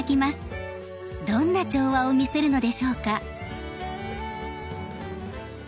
どんな調和を見せるのでしょうか。